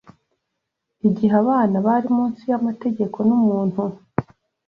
Igihe abana bari munsi y’amategeko n’umuntu